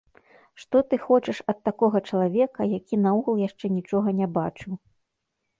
Што ты хочаш ад такога чалавека, які наогул яшчэ нічога не бачыў.